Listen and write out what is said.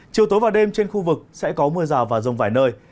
chiều tối và đêm trên khu vực sẽ có mưa rào và rông vài nơi